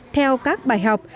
theo các bài học